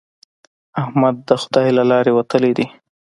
احمد د خدای له لارې وتلی دی.